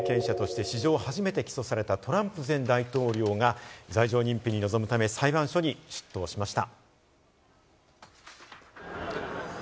アメリカの大統領経験者として史上初めて起訴されたトランプ前大統領が罪状認否に臨むため、裁判所に出頭しました。